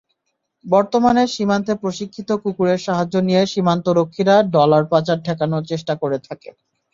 বর্তমানে সীমান্তে প্রশিক্ষিত কুকুরের সাহায্য নিয়ে সীমান্তরক্ষীরা ডলার পাচার ঠেকানোর চেষ্টা করে থাকে।